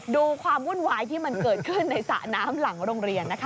ดูความวุ่นวายที่มันเกิดขึ้นในสระน้ำหลังโรงเรียนนะคะ